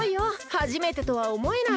はじめてとはおもえない！